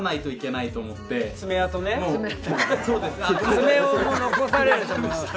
爪を残されると。